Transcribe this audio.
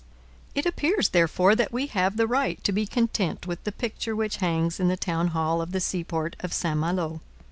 It appears, therefore, that we have the right to be content with the picture which hangs in the town hall of the seaport of St Malo.